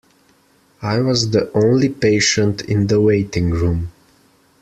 I was the only patient in the waiting room.